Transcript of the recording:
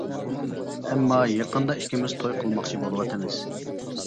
ئەمما يېقىندا ئىككىمىز توي قىلماقچى بولۇۋاتىمىز.